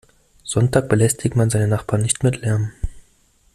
Sonntags belästigt man seine Nachbarn nicht mit Lärm.